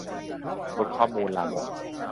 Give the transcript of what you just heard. โพสต์ข้อมูลลามก